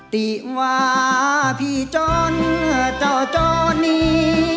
ติว่าพี่จ้อนเจ้าจ้อนี่